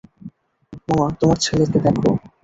মামা, তোমার ছেলেকে দেখো।